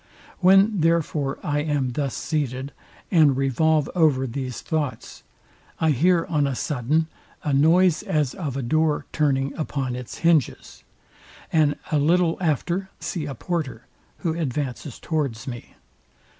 When therefore I am thus seated, and revolve over these thoughts, I hear on a sudden a noise as of a door turning upon its hinges; and a little after see a porter, who advances towards me.